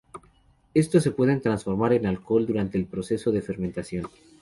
Estos se pueden transformar en alcohol durante el proceso de fermentación.